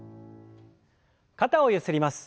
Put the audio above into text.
肩をゆすります。